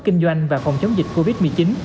kinh doanh và phòng chống dịch covid một mươi chín